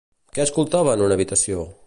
Què s'escoltava en una habitació?